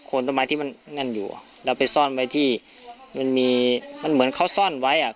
คนต้นไม้ที่มันนั่นอยู่อ่ะเราไปซ่อนไว้ที่มันมีมันเหมือนเขาซ่อนไว้อ่ะ